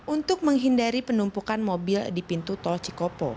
untuk menghindari penumpukan mobil di pintu tol cikopo